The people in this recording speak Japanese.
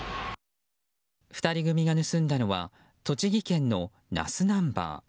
２人組が盗んだのは栃木県の那須ナンバー。